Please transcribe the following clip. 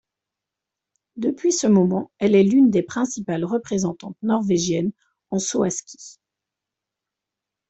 Depuis ce moment, elle est l'une des principales représentantes norvégiennes en saut à ski.